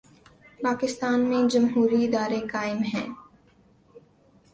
پاکستان میں جمہوری ادارے قائم ہیں۔